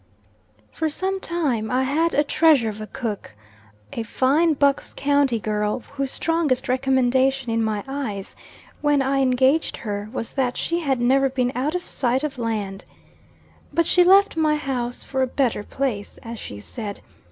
FOR sometime I had a treasure of a cook; a fine Bucks county girl, whose strongest recommendation in my eyes, when I engaged her, was that she had never been out of sight of land. But she left my house for a "better place," as she said.